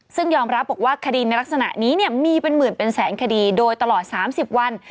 ซึ่งยอมรับบอกว่าคดีในลักษณะนี้มีเป็นหมื่นเป็นแสนคดีโดยตลอด๓๐วัน